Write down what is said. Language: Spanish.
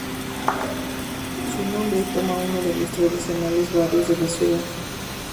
Su nombre toma a uno de los tradicionales barrios de la ciudad.